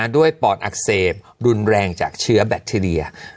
ด้วยปอดอักเสบรุนแรงจากเชื้อแบตเทรีย